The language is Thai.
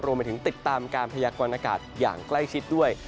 รวมไปถึงติดตามการพยากรณากาศอย่างใกล้ชิดด้วย